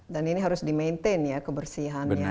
dan ini harus di maintain ya kebersihannya